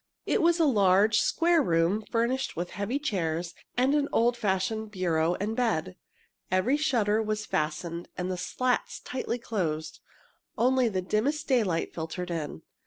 It was a large, square room, furnished with heavy chairs and an old fashioned bureau and bed. Every shutter was fastened and the slats tightly closed. Only the dimmest daylight filtered in.